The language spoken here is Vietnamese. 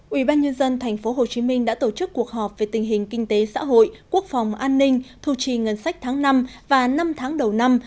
ubnd tp hcm đã tổ chức cuộc họp về tình hình kinh tế xã hội quốc phòng an ninh thu chi ngân sách tháng năm và năm tháng đầu năm